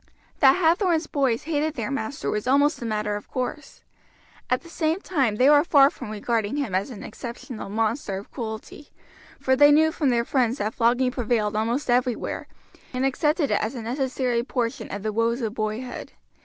That Hathorn's boys hated their master was almost a matter of course. At the same time they were far from regarding him as an exceptional monster of cruelty, for they knew from their friends that flogging prevailed almost everywhere, and accepted it as a necessary portion of the woes of boyhood.